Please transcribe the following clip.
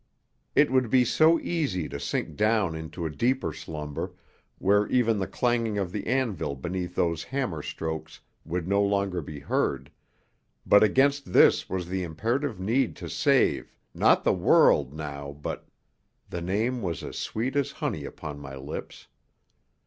It would be so easy to sink down into a deeper slumber, where even the clanging of the anvil beneath those hammer strokes would not longer be heard; but against this was the imperative need to save not the world now, but The name was as sweet as honey upon my lips.